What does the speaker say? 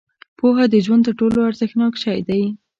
• پوهه د ژوند تر ټولو ارزښتناک شی دی.